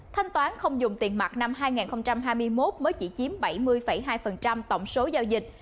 thanh toán không dùng tiền mặt năm hai nghìn hai mươi một mới chỉ chiếm bảy mươi hai tổng số giao dịch